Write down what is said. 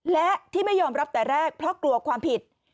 และที่ไม่ยอมรับแต่แรกเพราะกลัวความผิด